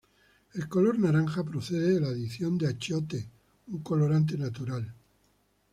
El color naranja procede de la adición de achiote, un colorante natural.